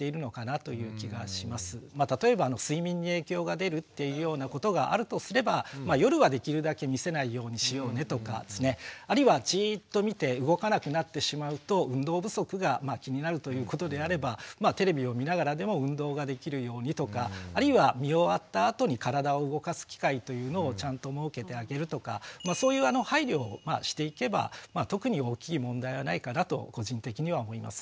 例えば睡眠に影響が出るというようなことがあるとすれば夜はできるだけ見せないようにしようねとかあるいはじっと見て動かなくなってしまうと運動不足が気になるということであればテレビを見ながらでも運動ができるようにとかあるいは見終わったあとに体を動かす機会というのをちゃんと設けてあげるとかそういう配慮をしていけば特に大きい問題はないかなと個人的には思います。